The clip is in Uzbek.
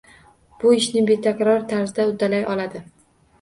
Bu ishni betakror tarzda uddalay oladi